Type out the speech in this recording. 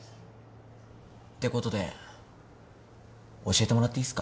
てことで教えてもらっていいっすか？